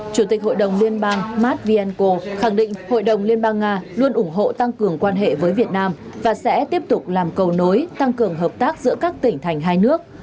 chủ tịch hội đồng liên bang matvienko khẳng định hội đồng liên bang nga luôn ủng hộ tăng cường quan hệ với việt nam và sẽ tiếp tục làm cầu nối tăng cường hợp tác giữa các tỉnh thành hai nước